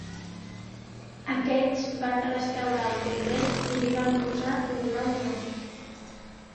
Aquests van restaurar el convent i l'hi van posar un nom nou: